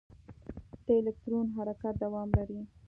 د الکترون حرکت دوام لري.